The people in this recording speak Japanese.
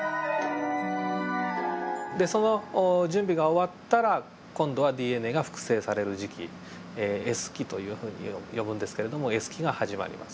でその準備が終わったら今度はＤＮＡが複製がされる時期Ｓ期というふうに呼ぶんですけれどもＳ期が始まります。